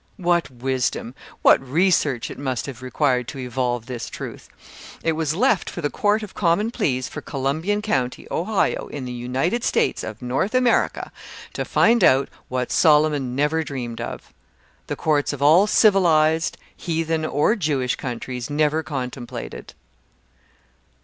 What wisdom what research it must have required to evolve this truth! It was left for the Court of Common Pleas for Columbian county, Ohio, in the United States of North America, to find out what Solomon never dreamed of the courts of all civilised, heathen, or Jewish countries, never contemplated.